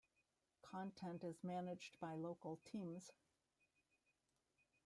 Content is managed by local teams.